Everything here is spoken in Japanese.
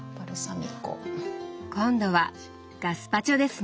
今度はガスパチョですね。